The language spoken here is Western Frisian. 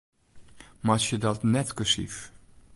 Meitsje dat net kursyf.